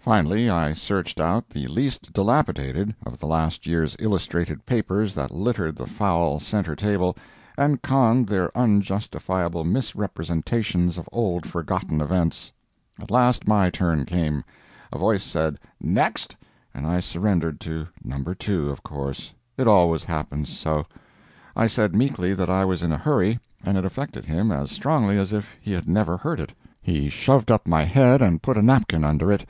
Finally, I searched out the least dilapidated of the last year's illustrated papers that littered the foul centre table, and conned their unjustifiable misrepresentations of old forgotten events. At last my turn came. A voice said "Next!" and I surrendered to—No. 2 of course. It always happens so. I said meekly that I was in a hurry, and it affected him as strongly as if he had never heard it. He shoved up my head and put a napkin under it.